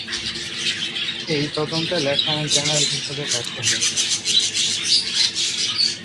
এই তদন্ত lieutenant general হিসাবে ব্যর্থ হয়েছে।